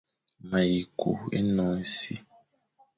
Ma yi kù énon e si.